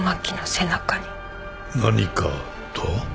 何かとは？